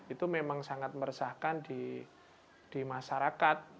itu memang sangat meresahkan di masyarakat